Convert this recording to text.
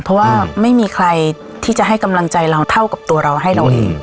เพราะว่าไม่มีใครที่จะให้กำลังใจเราเท่ากับตัวเราให้เราเอง